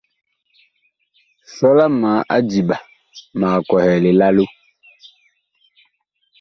Sɔla ma adiɓa, mag kwɛhɛ lilalo.